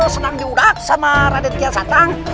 senang dihukum oleh raden kian santang